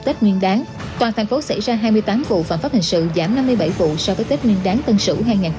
tết nguyên đáng toàn thành phố xảy ra hai mươi tám vụ phạm pháp hình sự giảm năm mươi bảy vụ so với tết nguyên đáng tân sửu hai nghìn hai mươi một